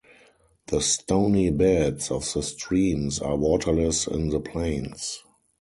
The stony beds of the streams are waterless in the plains.